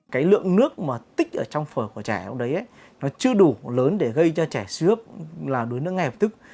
cái lượng nước mà tích ở trong phở của trẻ không đấy nó chưa đủ lớn để gây cho trẻ suy ước là đuối nước ngay hợp thức